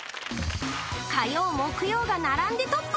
火曜木曜が並んでトップ。